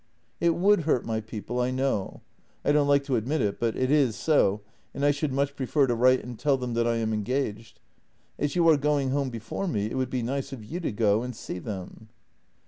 " It would hurt my people, I know. I don't like to admit it, but it is so, and I should much prefer to write and tell them that I am engaged. As you are going home before me, it would be nice of you to go and see them."